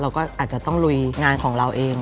เราก็อาจจะต้องลุยงานของเราเอง